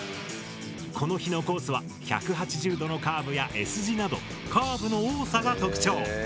この日のコースは１８０度のカーブやＳ字などカーブの多さが特徴。